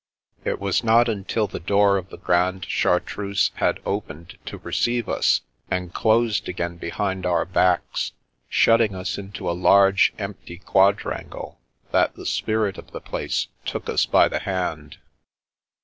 It was not until the door of the Grande Chartreuse had opened to receive us, and closed again behind our backs, shutting us into a large empty quad rangle, that the Spirit of the place took us by the hand.